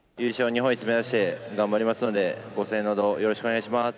日本一目指して頑張りますので、ご声援のほど、よろしくお願いします。